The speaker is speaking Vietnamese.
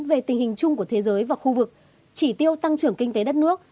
về tình hình chung của thế giới và khu vực chỉ tiêu tăng trưởng kinh tế đất nước